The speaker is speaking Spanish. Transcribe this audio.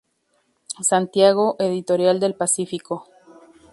Santiago: Editorial Del Pacífico.